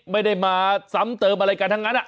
ไม่ได้มาซ้ำเติมอะไรกันทั้งนั้น